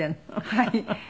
はい。